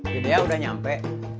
kaanda udah nyampe